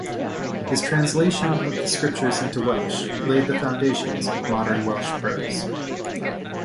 His translation of the scriptures into Welsh laid the foundations of modern Welsh prose.